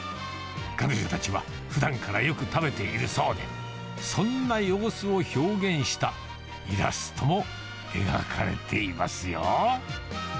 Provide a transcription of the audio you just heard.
彼女たちはふだんからよく食べているそうで、そんな様子を表現したイラストも描かれていますよ。